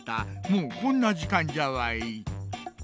もうこんなじかんじゃわい。